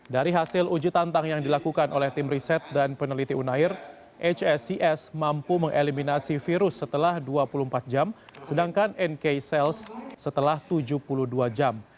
dari hasil uji tantang yang dilakukan oleh tim riset dan peneliti unair hscs mampu mengeliminasi virus setelah dua puluh empat jam sedangkan nk sales setelah tujuh puluh dua jam